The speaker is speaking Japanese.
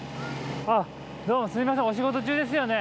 どうもすみませんお仕事中ですよね？